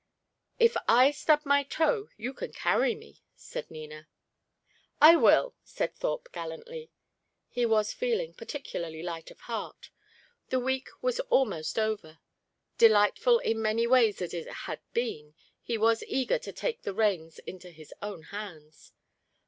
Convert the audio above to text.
"If I stub my toe, you can carry me," said Nina. "I will," said Thorpe, gallantly. He was feeling particularly light of heart. The week was almost over. Delightful in many ways as it had been, he was eager to take the reins into his own hands.